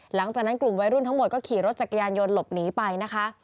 หลังจากนั้นกลุ่มวัยรุ่นทั้งหมดก็ขี่รถจักรยานยนต์หลบหนีไปนะคะ